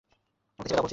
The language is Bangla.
ওকে ছেড়ে দাও বলছি।